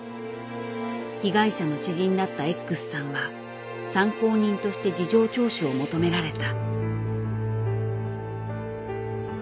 被害者の知人だったＸさんは参考人として事情聴取を求められた。